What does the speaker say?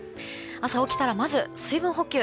朝起きたらまず水分補給。